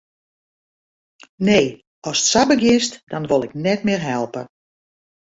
Nee, ast sa begjinst, dan wol ik net mear helpe.